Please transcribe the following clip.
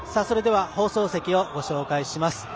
それでは放送席をご紹介します。